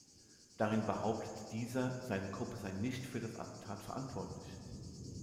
Darin behauptet dieser, seine Gruppe sei nicht für das Attentat verantwortlich.